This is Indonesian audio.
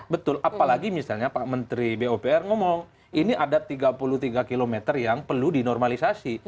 betul apalagi misalnya pak menteri bopr ngomong ini ada tiga puluh tiga km yang perlu dinormalisasi